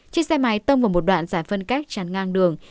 chiếc xe máy tông vào một đoạn giải phân cách tràn ngang đường